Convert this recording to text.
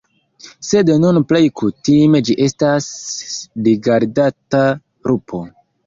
Sed nun plej kutime ĝi estas rigardata lupo.